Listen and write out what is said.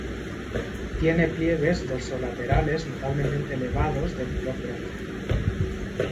Tiene pliegues dorso-laterales notablemente elevados de color bronce.